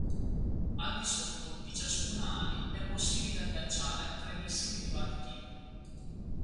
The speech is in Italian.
Al di sotto di ciascuna ali è possibile agganciare tre missili di vario tipo.